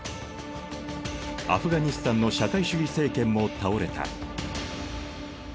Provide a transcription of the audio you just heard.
アフガニスタンの社会主義政権も倒れた。